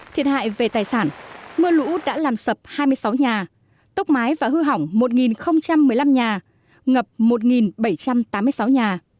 thiệt hại về tài sản mưa lũ đã làm sập hai mươi sáu nhà tốc mái và hư hỏng một một mươi năm nhà ngập một bảy trăm tám mươi sáu nhà